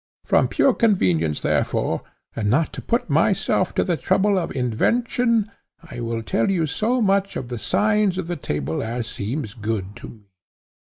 From pure convenience, therefore, and not to put myself to the trouble of invention, I will tell you so much of the signs of the table as seems good to me."